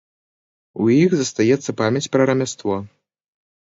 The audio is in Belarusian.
У іх застаецца памяць пра рамяство.